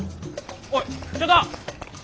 おいちょっと！